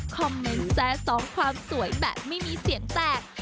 คอมเมนต์แจ้สองความสวยแบบไม่มีเสียงแตก